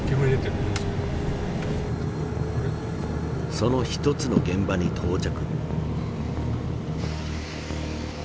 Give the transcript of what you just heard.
その一つの現場に到着。